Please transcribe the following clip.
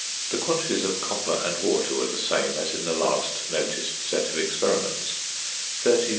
~ The quantities of copper and water were the same as in the last noticed set of experiments: 30 c.